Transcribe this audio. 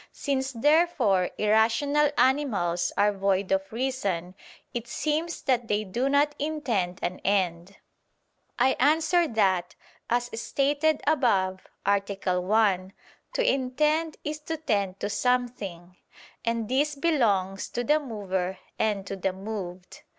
Since therefore irrational animals are void of reason, it seems that they do not intend an end. I answer that, As stated above (A. 1), to intend is to tend to something; and this belongs to the mover and to the moved.